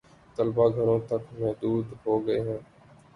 طلبا گھروں تک محدود ہو گئے ہیں